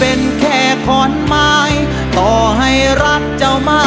ร้องได้ให้ร้าน